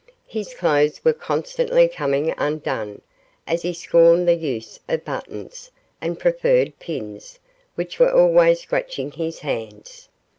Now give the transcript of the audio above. His clothes were constantly coming undone, as he scorned the use of buttons, and preferred pins, which were always scratching his hands.